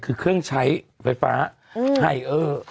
คือเครื่องใช้ไฟฟ้าไฮเออร์